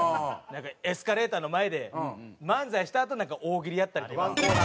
なんかエスカレーターの前で漫才したあとなんか大喜利やったりとか。